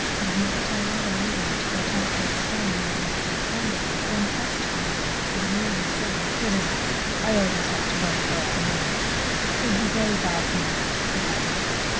He would never tell her where he went or attempt to explain the oddness of his conduct, but when pressed by her would merely say: "It is a habit. I always like to roam abroad in the night time it would be very bad for my health if I did not."